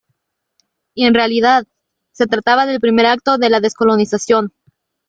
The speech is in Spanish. Y en realidad, se trataba del primer acto de la descolonización.